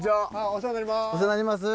お世話になります。